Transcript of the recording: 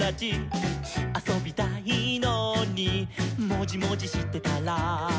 「あそびたいのにもじもじしてたら」